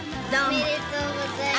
おめでとうございます。